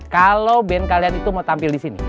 kalau band kalian itu mau tampil disini